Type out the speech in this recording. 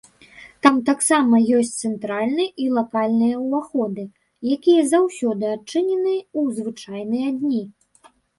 Там таксама ёсць цэнтральны і лакальныя ўваходы, якія заўсёды адчынены ў звычайныя дні.